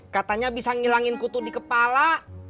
katanya bisa ngilangin kutu di kepala